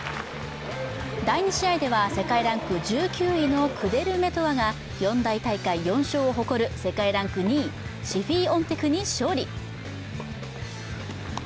第２試合では世界ランク１９位のクデルメトワが四大大会４勝を誇る世界ランク２位シフィオンテクに勝利。